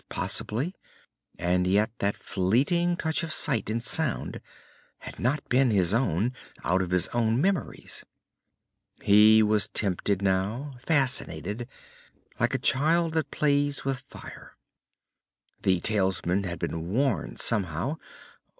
Possibly. And yet that fleeting touch of sight and sound had not been his own, out of his own memories. He was tempted now, fascinated, like a child that plays with fire. The talisman had been worn somehow.